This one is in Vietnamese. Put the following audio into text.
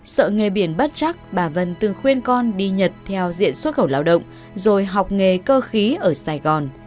sợ nghề biển bất chắc bà vân từng khuyên con đi nhật theo diện xuất khẩu lao động rồi học nghề cơ khí ở sài gòn